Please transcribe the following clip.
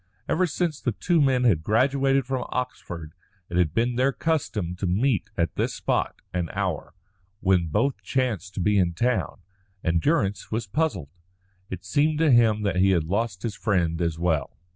Ever since the two men had graduated from Oxford it had been their custom to meet at this spot and hour, when both chanced to be in town, and Durrance was puzzled. It seemed to him that he had lost his friend as well.